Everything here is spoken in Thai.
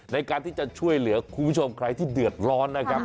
ในการที่จะช่วยเหลือคุณผู้ชมใครที่เดือดร้อนนะครับ